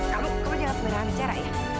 kamu jangan segera berbicara ya